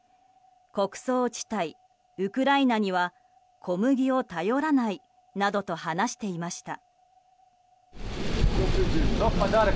穀倉地帯ウクライナには小麦を頼らない、などと話していました。